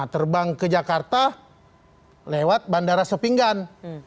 terbang ke jakarta lewat bandara sepinggan